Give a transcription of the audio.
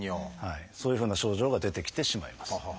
そういうふうな症状が出てきてしまいます。